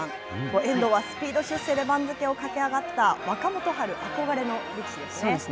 遠藤はスピード出世で番付を駆け上がった若元春憧れの力士ですね。